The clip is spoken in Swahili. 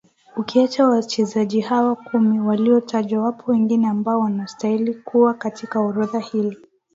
Ukiacha wachezaji hawa kumi waliotajwa wapo wengine ambao wanastahili kuwa katika orodha hii